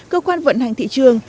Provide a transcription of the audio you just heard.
cơ quan vận hành thị trường